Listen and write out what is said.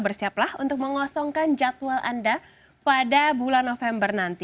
bersiaplah untuk mengosongkan jadwal anda pada bulan november nanti